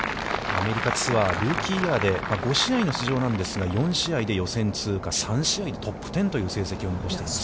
アメリカツアールーキーイヤーで５試合の出場なんですが、４試合で予選通過、３試合でトップテンという成績を残しています。